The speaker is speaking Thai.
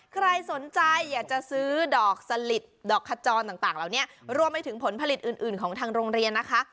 ใครสนใจอยากจะซื้อดอกสลิดดอกขจรต่างเหล่านี้รวมไปถึงผลผลิตอื่นอื่นของทางโรงเรียนนะคะ